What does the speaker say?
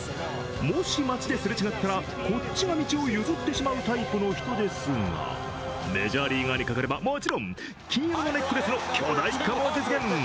もし街ですれ違ったら、こっちが道を譲ってしまうタイプの人ですがメジャーリーガーにかかれば、もちろん金色のネックレスの巨大化も実現。